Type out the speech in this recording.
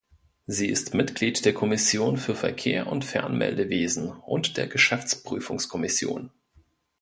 Sie ist Mitglied der Kommission für Verkehr und Fernmeldewesen und der Geschäftsprüfungskommission.